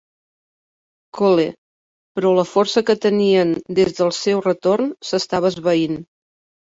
Cole, però la força que tenien des del seu retorn s'estava esvaint.